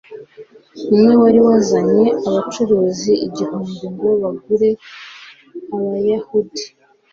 umwe wari wazanye abacuruzi igihumbi ngo bagure abayahudi